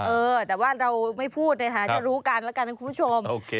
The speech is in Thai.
เออแต่ว่าเราไม่พูดนะคะจะรู้กันแล้วกันนะคุณผู้ชม